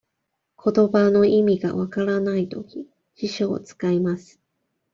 ことばの意味が分からないとき、辞書を使います。